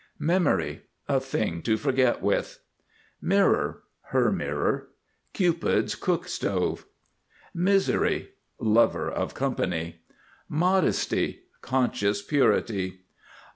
MEMORY. A thing to forget with. MIRROR (her mirror). Cupid's cook stove. MISERY. Lover of Company. MODESTY. Conscious purity.